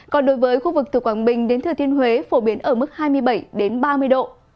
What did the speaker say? còn đối với khu vực từ quảng bình đến thừa thiên huế phổ biến ở mức hai mươi bảy ba mươi độ